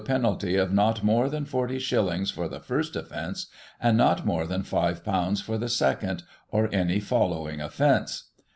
[1838 penally of not more than Forty Shillings for the first offence, and not more than Five Pounds for the Second, or any following offence."